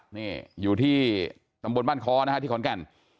นี่อยู่ที่ตำบลบ้านค้อนะฮะที่ขอนแก่น